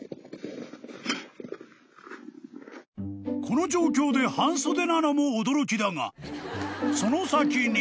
［この状況で半袖なのも驚きだがその先に］